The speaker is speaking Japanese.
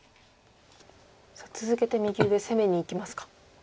さあ続けて右上攻めにいきますか。